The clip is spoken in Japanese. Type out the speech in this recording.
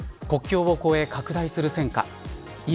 国境を越え、拡大する戦火。